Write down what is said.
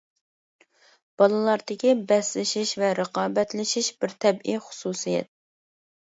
بالىلاردىكى بەسلىشىش ۋە رىقابەتلىشىش بىر تەبىئىي خۇسۇسىيەت.